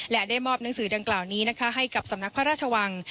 และได้มอบหนังสือดังกล่าวนี้นะคะให้กับสำนักพระราชวัง